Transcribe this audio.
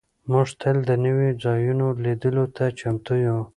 موږ تل د نویو ځایونو لیدلو ته چمتو یو.